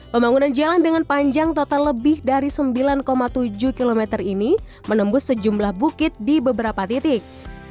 pembangunan jalan dengan panjang total lebih dari sembilan tujuh km ini menembus sejumlah bukit di beberapa titik